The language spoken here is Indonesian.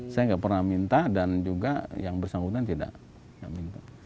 saya nggak pernah minta dan juga yang bersangkutan tidak minta